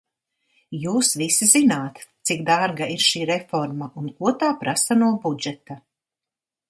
Jūs visi zināt, cik dārga ir šī reforma un ko tā prasa no budžeta.